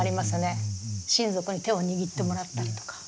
親族に手を握ってもらったりとか。